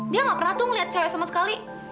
dia gak pernah tuh ngeliat cewek sama sekali